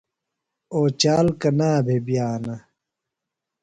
اوچال کنا بھےۡ بِیانہ؟